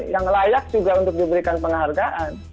yang layak juga untuk diberikan penghargaan